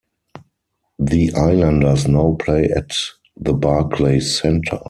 The Islanders now play at the Barclays Center.